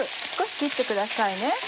少し切ってください。